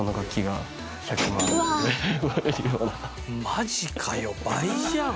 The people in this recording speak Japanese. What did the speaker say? マジかよ倍じゃん。